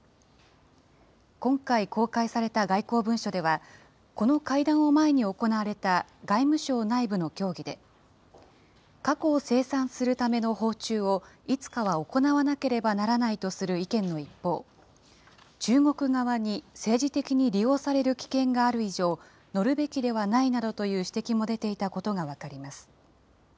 今回公開された外交文書では、この会談を前に行われた外務省内部の協議で、過去を清算するための訪中をいつかは行わなければならないとする意見の一方、中国側に政治的に利用される危険がある以上、乗るべきではないなどという指摘も出ていたことが分かります。